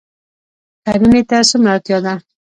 کرنې ته څومره اړتیا ده؟